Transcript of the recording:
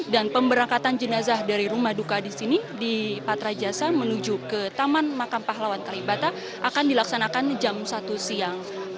dan pemberangkatan jenazah dari rumah duka di sini di patra jasa menuju ke taman makam pahlawan kalibata akan dilaksanakan jam satu siang